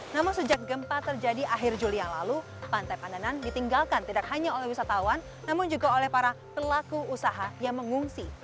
namun sejak gempa terjadi akhir juli yang lalu pantai pandanan ditinggalkan tidak hanya oleh wisatawan namun juga oleh para pelaku usaha yang mengungsi